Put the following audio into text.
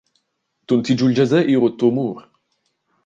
تنتج الجزائر التمور.